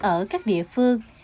ở các địa phương